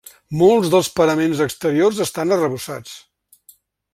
Molts dels paraments exteriors estan arrebossats.